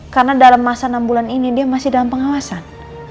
karena dalam masa enam bulan ini dia masih dalam pengawasan